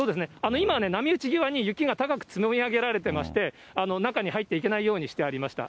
今ね、波打ち際に雪が高く積み上げられてまして、中に入っていけないようにしてありました。